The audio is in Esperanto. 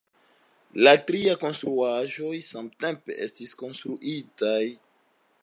La tri konstruaĵoj samtempe estis konstruitaj.